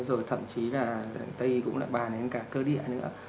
rồi thậm chí là tây y cũng lại bản đến cả cơ địa nữa